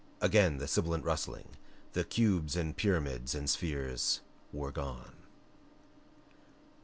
Again the sibilant rustling and cubes and pyramids and spheres were gone.